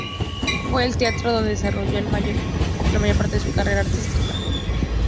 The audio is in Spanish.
Fue en el teatro donde desarrolló la mayor parte de su carrera artística.